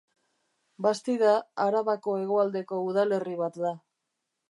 Bastida Arabako hegoaldeko udalerri bat da.